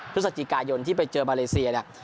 พฤศจิกายนที่ไปเจอมาเลเซียเนี่ย